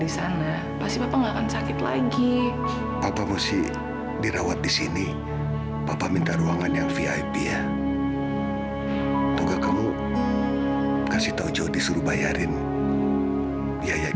sampai jumpa di video selanjutnya